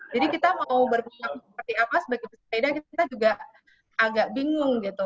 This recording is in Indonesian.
jadi kita mau berpengalaman seperti apa sebagai pesepeda kita juga agak bingung